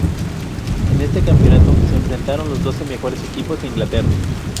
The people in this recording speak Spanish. En este campeonato se enfrentaron los doce mejores equipos de Inglaterra.